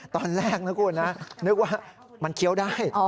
ตอนแรกนะคุณนะนึกว่ามันเคี้ยวได้